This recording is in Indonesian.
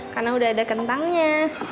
karena udah ada kentangnya